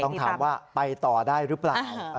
ต้องถามว่าไปต่อได้หรือเปล่า